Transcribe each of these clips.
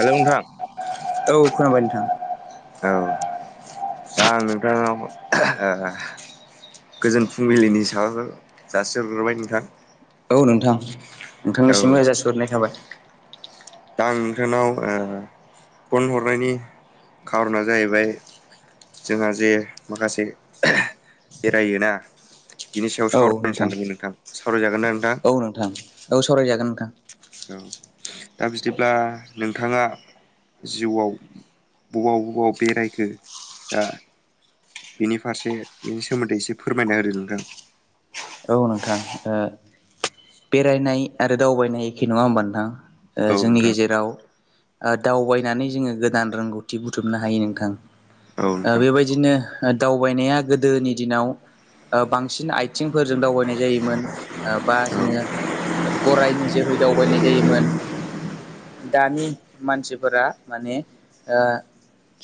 Hello नोंथां औ खोनाबाय नोंथां औ दा नोंथाङा ओ ओ गोजोन फुंबिलिनि साबायखर जासिहरग्रोबाय नोंथां। औ नोंथां औ नोंथांनिसिमबो जासिहरनाय थाबाय। दा आं नोंथांनाव ओ फन हरनायनि खार'ना जाहैबाय जोंहा जे माखासे बेरायोना बिनि सायाव सावरायनो सानदोंमोन नोंथां सावरायजागोन ना नोंथां? औ नोंथां। औ सावरायजागोन नोंथां। औ दा बिदिब्ला नोंथाङा जिउआव बबाव बबाव बेरायखो दा बिनि फारसे बिनि सोमोन्दै एसे फोरमायना होदो नोंथां। औ नोंथां बेरायनाय ओ आरो दावबायनाय एखे नङा होमबा नोंथां? ओ होदो नोंथां औ जोंनि नोंथां गेजेराव ओ दावबायनानै जोङो गोदान रोंगौथि बुथुमनो हायो नोंथां। औ ओ नोंथां बेबाय दिनो दावबायनाया गोदोनि दिनाव बांसिन आइथिंफोर जों दावबायनाय जायोमोन बा जोङो गरायनि जोहै दावबायनाय जायोमोन दानि मानसिफोरा माने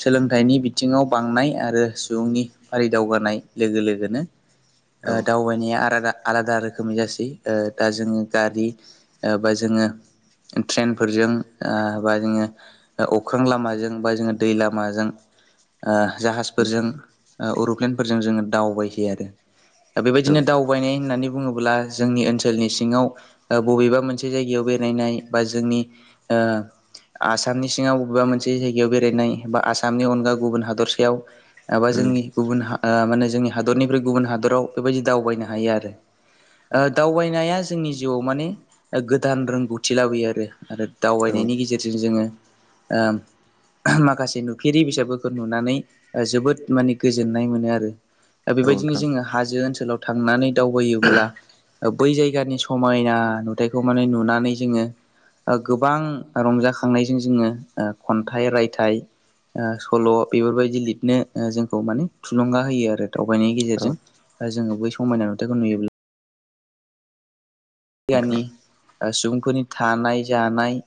सोलोंथाइनि बिथिङाव बांनाय आरो सुबुंनि फारि दावगानाय लोगो लोगोनो औ ओ दावबाय आला आलादा रोखोमनि जासै दा जोंनि गारि बा जोङो ट्रेनफोरजों ओ बा जोङो अख्रां लामाजों बा जोङो दै लामाजों ओ जाहाजफोरजों अर'प्लेनफोरजों जोङो दावबायहोयो आरो दा बेबायदि औ बिदिनो दावबायनाय होननानै बुङोब्ला जोंनि ओनसोलनि सिङाव ओ बबेबा मोनसे जायगायाव बेरायनाय बा जोंनि ओ आसामनि सिङाव बबेबा मोनसे जायगायाव बेरायनाय बा आसामनि अनगा गुबुन हादरसायाव माबा जोंनि गुबुन हा माने जोंनि हादरनिफ्राय गुबुन हादराव बेबायदि दावबायनो हायो आरो ओ दावबायनाया जोंनि जिउआव माने गोदान रोंगौथि लाबोयो आरो आरो औ औ दावबायनायनि गेजेरजों जोङो माखासे नुफेरि बिजाबफोरखौ नुनानै जोबोद माने गोजोननाय मोनो आरो दा बेबायदिनो नोंथां जोङो हाजो ओनसोलाव थांनानै दावबायोब्ला बै जायगानि समायना नुथायखौ माने नुनानै जोङो ओ गोबां रंजाखांनायजों जोङोओ खन्थाइ रायथाइ ओ‌सल' बेफोरबायदि लिरनो जोंखौ माने थुलुंगा होयो आरो दावबायनायनि औ गेजेरजों जोङो बै समायना नुथायखौ नुयोब्ला। नोंथां गियानि सुबुंफोरनि थानाय जानाय।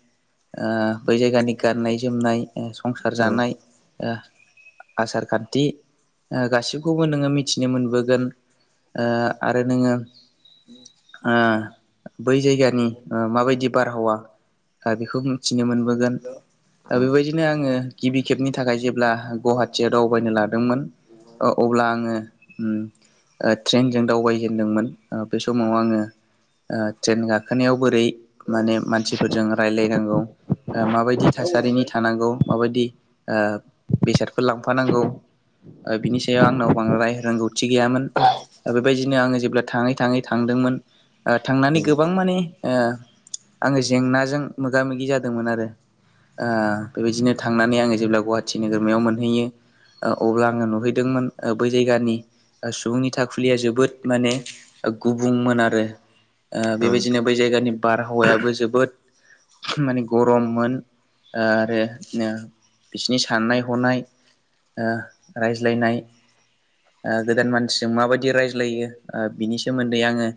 ओ बै जायगानि गाननाय जोमनाय संसार औ जानाय ओ। आसार खान्थि गासिबखौबो नोङो मिथिनो मोनबोगोन। ओ आरो नोङो ओ। बै जायगानि माबायदि बारहावा ओ बेखौ मिथिनो मोनबोगोन। औ बेबायदिनो आङो गिबि खेबनि थाखाय जेब्ला गुवाहाटियाव दावबायनो लादोंमोन। अब्ला आङो उम। ओ ट्रेनजों दावबायजेनदोंमोन बे समाव आङो। ओ ट्रेन गाखोनायाव बोरै माने मानसिफोरजों रायजलायनांगौ ओ माबायदि। थासारिनि थानांगौ माबायदि ओ बेसादफोर लांफानांगौ। ओ बिनि सायाव आंनाव बांद्राय रोंगौथि गैयामोन। ओ बेबायदिनो आङो जेब्ला थाङै थाङै थांदोंमोन। ओ थांनानै गोबां माने ओ आङो जेंनाजों मोगा मोगि जादोंमोन आरो। ओ बेबायदिनो थांनानै आङो जेब्ला गुवाहाटि नोगोरमायाव मोनहैयो। ओ अब्ला आङो नुहैदोंमोन ओ बै जायगानि। सुबुंनि थाखुलिया जोबोद माने गुबुंमोन आरो। ओ औ बेबायदिनो बै जायगानि बारहावायाबो जोबोद माने गरममोन। ओ आरो बिदिनो बिसनि साननाय हनाय। ओ रायज्लायनाय। ओ गोदान मानसिजों माबायदि रायज्लायो ओ बिनि सोमोन्दै आङो।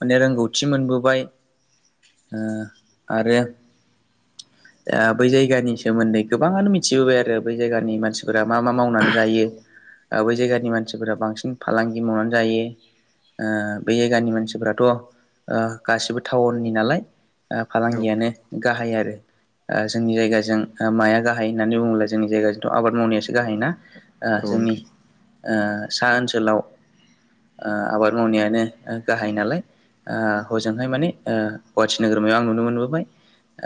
माने रोंगौथि मोनबोबाय ओ आरो। [inaudible] ओ बै जायगानि सोमोन्दै गोबाङानो मिथिबोबाय आरो बै जायगानि मानसिफोरा मा मा मावनानै जायो। ओ बै जायगानि मानसिफोरा बांसिन फालांगि मावनानै जायो ओ बै जायगानि मानसिफोरा। थ' ओ गासिबो टाउननि नालाय ओ फालांगियानो औ गाहाय आरो। ओ जोंनि जायगाजों ओ माया गाहाय होननानै बुङोब्ला जोंनि जायगाजोंथ' आबाद मावनायासो गाहाय ना। ओ औ जोंनि ओ सा ओनसोलाव। ओ आबाद मावनायानो गाहाय नालाय। ओ हजोंहाय माने ओ गुवाहाटि नोगोरमायाव आं नुनो मोनबोबाय।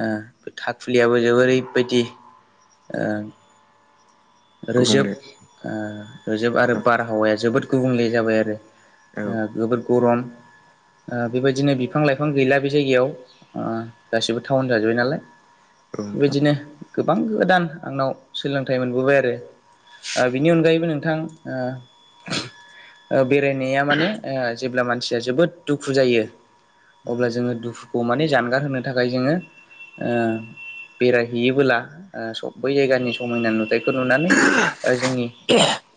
ओ थाखुलियाबो जोबोरै बायदि ओ। रोजोब गुबुंले रोजोब आरो औ बारहावाया जोबोद गुबुंले जाबाय आरो। औ ओ जोबोर गरम। ओ बेबायदिनो बिफां लाइफां गैला बे जायगायाव ओ गासिबो टाउन जाजोब्बाय नालाय। नोंथां औ बेबायदिनो गोबां गोदान आंनाव सोलोंथाइ मोनबोबाय आरो। दे बिनि अनगायैबो नोंथां ओ। ओ बेरायनाया माने ओ जेब्ला मानसिया जोबोद दुखु जायो। अब्ला जोङो दुखुखौ माने जानगार होनो थाखाय जोङो ओ। बेरायहैयोबोलाब ओ बै जायगानि समायना नुथाय। फोर नुनानै ओ जोंनि।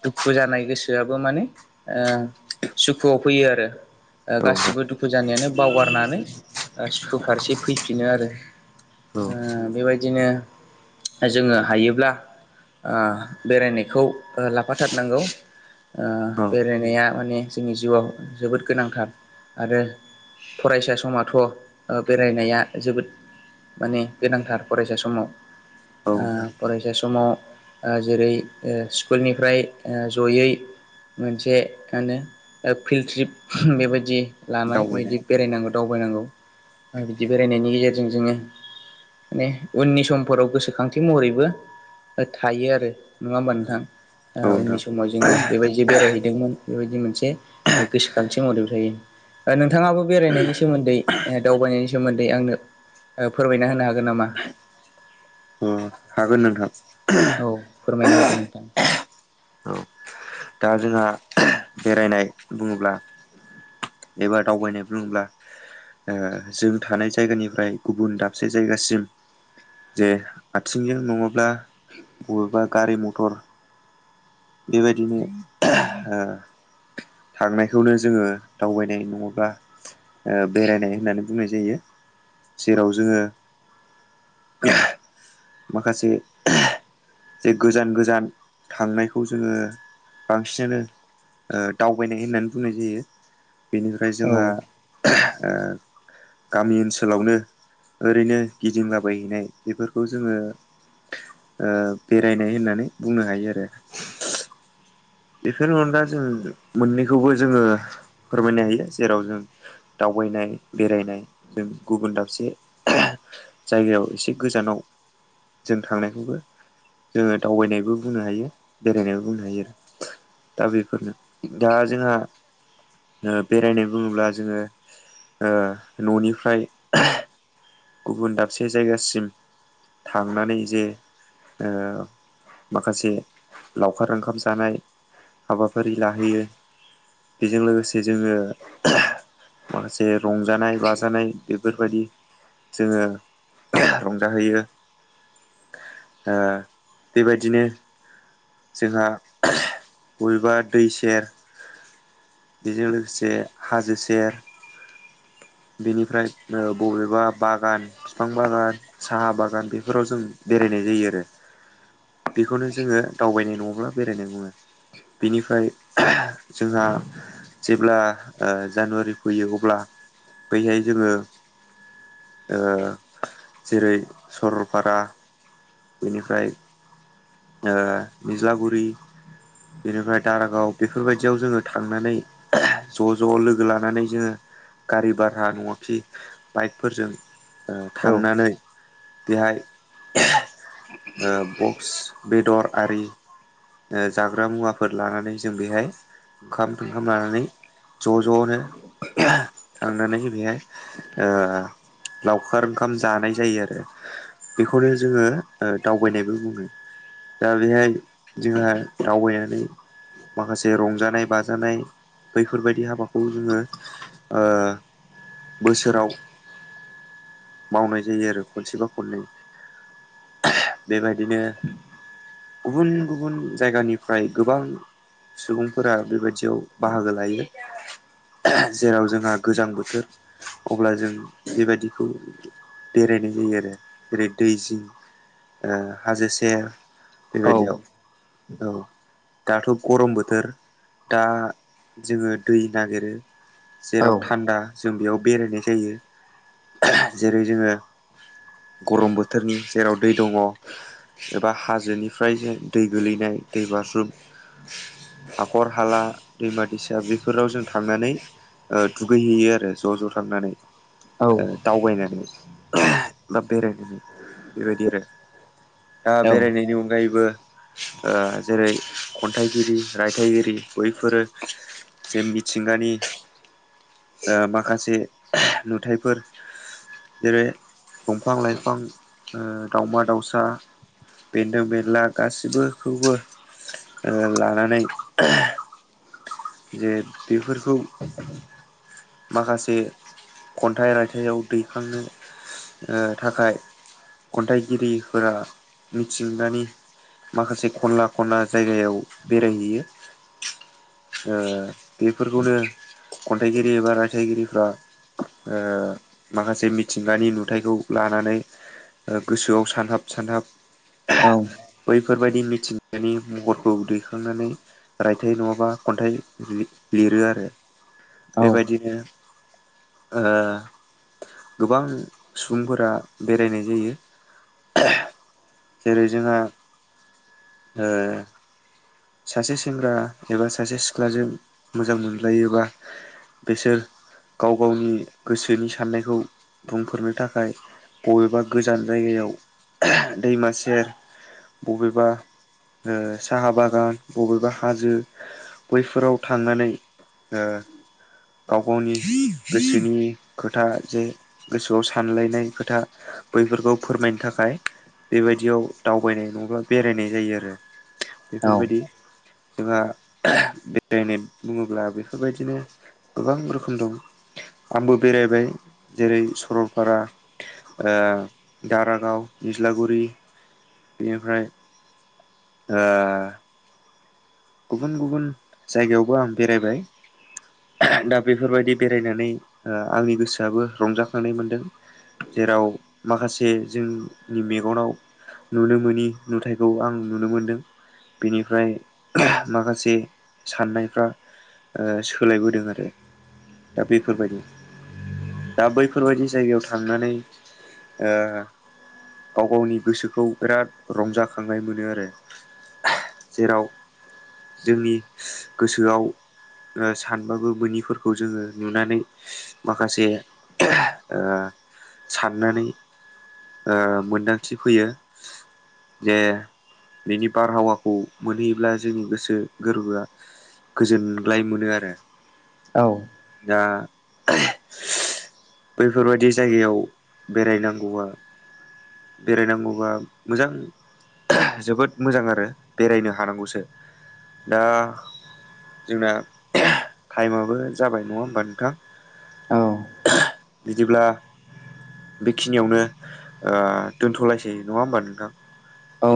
दुखु जानाय गोसोआबो माने ओ सुखुआव फैयो आरो। ओ औ गासिबो दुखु जानायानो बावगारनानै ओ सुखु फारसे फैफिनो आरो। ओ बेबायदिनो जोङो हायोब्ला। ओ बेरायनायखौ ओ लाफाथारनांगौ। ओ औ बेरायनाया माने जोंनि जिउआव जोबोद गोनांथार आरो। फरायसा समथ' ओ बेरायनाया जोबोद। माने गोनांथार फरायसा समाव ओ नोंथां फरायसा समाव। ओ जेरै ओ स्कुलनिफ्राय ओ जयै। मोनसे मानो फिल्ड ट्रिप बेबायदि लानाय दावबायनाय बेबायदि बेरायनांगौ। दावबायनांगौ आरो बिदि बेरायनायनि गेजेरजों जोङो। माने उननि समफोराव गोसोखांथि महरैबो थायो आरो नङा होमबा औ नोंथां औ उननि नोंथां समाव जोङो। बेबायदि बेरायहैदोंमोन बेबायदि मोनसे गोसोखांथि महरैबो थायो। नोंथाङाबो बेरायनायनि सोमोन्दै दावबायनायनि सोमोन्दै आंनो ओ फोरमायना होनो हागोन नामा? अ हागोन नोंथां। औ फोरमायना होदों नोंथां। औ दा जोंहा बेरायनाय बुङोब्ला एबा दावबायनाय बङब्ला ओ जों थानाय जायगानिफ्राय गुबुन दाबसे जायगासिम। जे आथिंजों नङोब्ला बबेबा गारि मथर बेबायदिनो ओ थांनायखौनो जोङो दावबायनाय नङोब्ला ओ बेरायनाय होननानै बुंनाय जायो। जेराव जोङो [unintelligible] माखासे जे गोजान गोजान थांनाय। खौ जोङो बांसिनो दावबायनाय होननानै बुंनाय जायो। बेनिफ्राय औ जोंहा ओ गामि ओनसोलावनो ओरैनो गिदिंलाबायहैनाय बेफोरखौ जोङो ओ बेरायनाय होननानै बुंनो हायो आरो बेफोरनि अनगाजों मोननैखौबो जोङो फोरमायनो हायो। जेराव जों दावबायनाय बेरायनाय जों गुबुन दाबसे जायगायाव एसे गोजानाव जों थांनायखौबो जोङो दावबायनायबो बुंनो हायो। बेरायनायबो बुंनो हायो आरो ' दा बेफोरनो दा जोंहा बेरायनाय बुङोब्ला जोङो ओ न'निफ्राय गुबुन दाबसे जायगासिम थांनानै जे ओ माखासे लावखार ओंखाम जानाय। हाबाफारि लाहैयो बेजों लोगोसे जोङो माखासे रंजानाय बाजानाय बेफोरबायदि। जोङो रंजाहैयो। ओ बेबायदिनो जोंहा बबेबा दै सेर बेजों लोगोसे हाजो सेर बेनिफ्राय ओ बबेबा बागान फिफां बागान साहा बागान बेफोराव जों बेरायनाय जायो आरो। बेखौनो जोङो दावबायनाय नङाब्ला बेरायनाय बुङो। बेनिफ्राय जोंहा जेब्ला ओ जानुवारि फैयो अब्ला बैहाय जोङो ओ‌ जेरै सरलपारा बेनिफ्राय ओ निज्लागुरि बेनिफ्राय दारागाव बेफोरबायदियाव जोङो थांनानै ज' ज' लोगो लानानै जोङो गारि भारा नङाखि बाइकफोरजों ओ थांनानै। बेहाय ओ बक्स बेदर आरि ओ जाग्रा मुवाफोर लानानै जों बेहाय ओंखाम थोंखाम लानानै ज' ज'नो थांनानै बेहाय ओ। लावखार ओंखाम जानाय जायो आरो। बेखौनो जोङो ओ‌ दावबायनायबो बुङो। दा बेहाय जोंहा दावबायनानै माखासे रंजानाय बाजानाय बैफोरबायदि हाबाखौ जोङो ओ बोसोराव मावनाय जायो आरो खनसे बा खननै बेबायदिनो गुबुन गुबुन जायगानिफ्राय गोबां सुबुंफोरा बेबायदियाव बाहागो लायो। जेराव जोंहा गोजां बोथोर अब्ला जों बेबायादिखौ बेरायनाय जायो आरो। जेरै दै जिं हाजोसेेर औ बेबायदियाव औ दाथ' गरम बोथोर दा जोङो दै नागिरो औ जेराव थान्दा जों बेयाव बेरायनाय जायो। जेरै जोङो गरम बोथोरनि जेराव दै दङ'। एबा हाजोनिफ्राय दै गोलैनाय दै बारज्रु हाखर हाला दैमा दैसा बेफोराव जों थांनानै। ओ दुगैहैयो आरो ज' ज' थांनानै। औ ओ दावबायनानै बा बेरायनानै बेबायदि आरो। दा औ बेरायनायनि अनगायैबो ओ जेरै खन्थाइगिरि रायथाइगिरि बैफोरो जे मिथिंगानि ओ माखासे नुथाय फोर जेरै दंफां लाइफां ओ दावमा दाउसा बेन्दों बेनला गासिखौबो ओ लानानै जे बेफोरखौ माखासे खन्थाइ रायथायाव दैखांनो ओ थाखाय खन्थाइगिरिफोरा मिथिंगानि माखासे खनला खना जायगायाव बेरायहैयो ओ बेफोरखौनो खन्थाइगिरि एबा रायथाइगिरिफ्रा ओ माखासे मिथिंगानि नुथायखौ लानानै गोसोआव सानहाब सानहाब औ। बैफोरबायदि मिथिंगानि महरखौ दैखांनानै रायथाइ नङाब्ला खन्थाइ लिरो आरो बेबायदिनो ओ गोबां सुबुंफोरा बेरायनाय जायो। जेरै जोंहा ओ सासे सेंग्रा एबा सासे सिख्लाजों मोजां मोनलायोबा बिसोर। गाव गावनि गोसोनि साननायखौ बुंफोरनो थाखाय बबेबा गोजान जायगायाव दैमा सेर बबेबा ओ साहा बा ओ बा बबेबा हाजो बैफोराव थांनानै ओ गाव गावनि गोसोनि खोथा जे गोसोआव सानलायनाय खोथा बैफोरखौ फोरमायनो थाखाय बेबायदियाव दावबायनाय नङाब्ला बेरायनाय जायो आरो। बेफोरबायदि जोंहा बेरायनाय बुङोब्ला बेफोरबायदिनो गोबां रोखोम दं। आंबो बेरायबाय जेरै सरलपारा ओ दारागाव, निज्लागुरि, बेनिफ्राय ओ गुबुन गुबुन जायगायावबो आं बेरायबाय दा बेफोरबायदि बेरायनानै ओ आंनि गोसोआबो रंजाखांनाय मोनदों। जेराव माखासे जोंनि मेगनाव नुनो मोनोनि नुथायखौ आं नुनो मोनदों बेनिफ्राय माखासे साननायफ्रा ओ सोलायबोदों आरो दा बेफोरबायदि। दा बैफोरबायाददि जायगायाव थांनानै ओ गाव गावनि गोसोखौ बिराद रंजाखांनाय मोनो आरो जेराव जोंनि गोसोआव ओ सानबाबो मोनिफोरखौ जोङो नुनानै माखासे ओह ओ साननानै मोन्दांथि फैयो जे बिनि बारहावाखौ मोनहैयोब्ला जोंनि गोसो गोरबोआ गोजोनग्लाय मोनो आरो। औ। दा बैफोरबायाददि जायगायाव बेरायनांगौआ बेरायनांगौबा मोजां जोबोद मोजां आरो बेरायनो हानांगौसो। दा जोंना ओह टाइमाबो जाबाय नङा होमबा नोंथां? औ बिदिब्ला बेखिनियावनो ओ दोन्थ'लायसै नङा होमबा नोंथां? औ